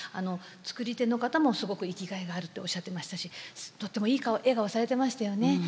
作り手の方も「すごく生きがいがある」とおっしゃってましたしとってもいい顔笑顔されてましたよね。